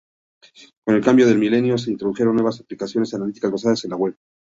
Con el cambio de milenio, se introdujeron nuevas aplicaciones analíticas basadas en la web.